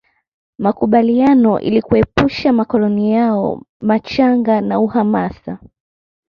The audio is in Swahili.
Makubaliano ili kuepusha makoloni yao machanga na uhasama